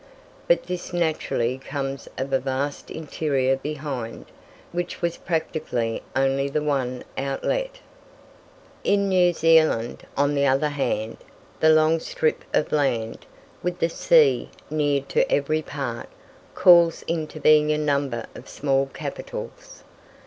But this naturally comes of a vast interior behind, which has practically only the one outlet. In New Zealand, on the other hand, the long strip of land, with the sea near to every part, calls into being a number of small capitals.